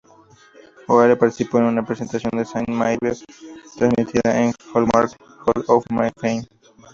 O'Hare participó en una presentación de Saint Maybe transmitida en "Hallmark Hall of Fame".